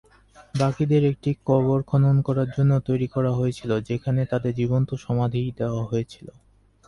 বাকিদের একটি কবর খনন করার জন্য তৈরি করা হয়েছিল যেখানে তাদের জীবন্ত সমাধি দেওয়া হয়েছিল।